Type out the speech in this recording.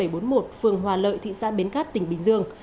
phường hòa lợi thị xã bến cát tỉnh bình dương